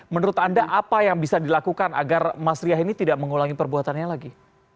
menurut anda apa yang bisa dilakukan agar mas riah ini tidak mengulangi perbuatannya lagi